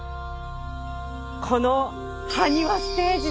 この埴輪ステージですよ。